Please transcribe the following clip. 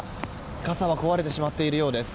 傘は壊れてしまっているようです。